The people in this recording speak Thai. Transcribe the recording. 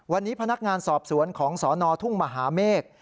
วันนี้พนักงานสอบสวนของสนทุ่งมหาเมฆ